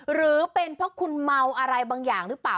หรือเป็นเพราะคุณเมาอะไรบางอย่างหรือเปล่า